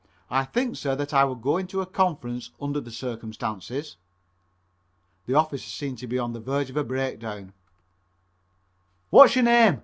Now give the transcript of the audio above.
I think, sir, that I would go into a conference, under the circumstances." The officer seemed to be on the verge of a breakdown. "What's your name?"